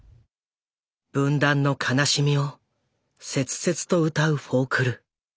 分断の悲しみを切々と歌うフォークル。